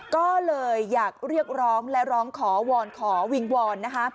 ก็เลยอยากเรียกร้องและร้องขอวอนขอวิงวอนนะคะ